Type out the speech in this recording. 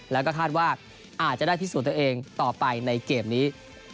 แล้วก็คาดว่าอาจจะได้พิสูจน์ตัวเองต่อไปในเกมนี้